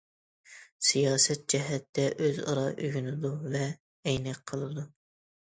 سىياسەت جەھەتتە ئۆز ئارا ئۆگىنىدۇ ۋە ئەينەك قىلىدۇ.